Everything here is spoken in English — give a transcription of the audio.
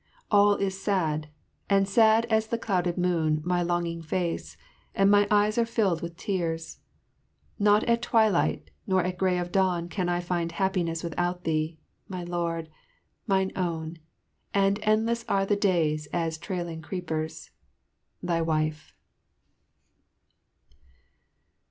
All is sad, and sad as the clouded moon my longing face, and my eyes are filled with tears. Not at twilight nor at grey of dawn can I find happiness without thee, my lord, mine own, and "endless are the days as trailing creepers." Thy Wife.